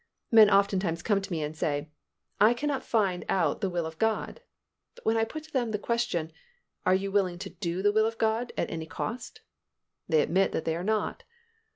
Men oftentimes come to me and say, "I cannot find out the will of God," but when I put to them the question, "Are you willing to do the will of God at any cost?" they admit that they are not.